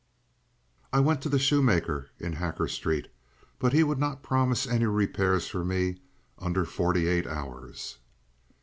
I went to the shoemaker in Hacker Street, but he would not promise any repairs for me under forty eight hours.